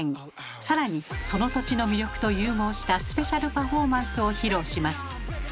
更にその土地の魅力と融合したスペシャルパフォーマンスを披露します。